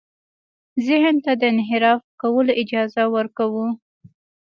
ذهن ته د انحراف کولو اجازه ورکوو.